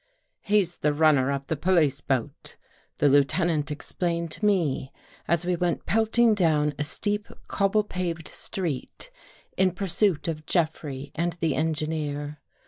" He's the runner of the police boat," the Lieutenant explained to me as we went pelting down a steep cobble paved street in pursuit of Jeffrey and the engineer.